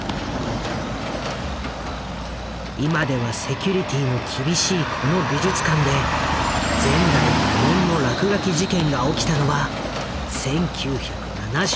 今ではセキュリティーの厳しいこの美術館で前代未聞の落書き事件が起きたのは１９７４年。